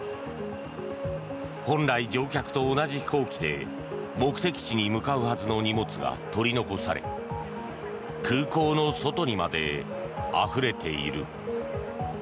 本来、乗客と同じ飛行機で目的地に向かうはずの荷物が取り残され空港の外にまであふれている。